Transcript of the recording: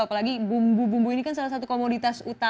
apalagi bumbu bumbu ini kan salah satu komoditas